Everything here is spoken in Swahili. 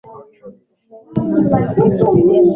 na tayari chama chake kimeridhia matokeo